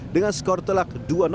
dengan skor telak dua